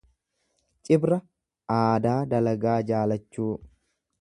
Cibra aadaa dalagaa jaalachuu.